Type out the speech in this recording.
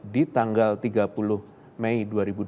di tanggal tiga puluh mei dua ribu dua puluh